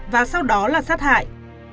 và sau đó là sát hại